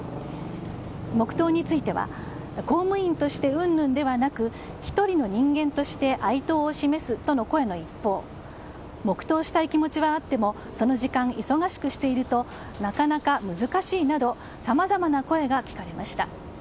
黙祷については、公務員として云々ではなく１人の人間として哀悼を示すという声の一方黙祷したい気持ちはあってもその時間、忙しくしているとなかなか難しいなどさまざまな声が聞かれました。